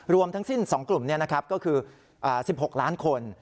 รวมทั้งสิ้น๒กลุ่มนี้นะครับก็คือ๑๖ล้านคน